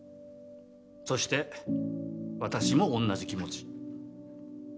そして私も同じ気持ち。